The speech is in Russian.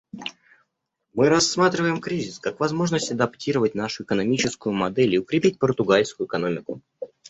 Мы рассматриваем кризис как возможность адаптировать нашу экономическую модель и укрепить португальскую экономику.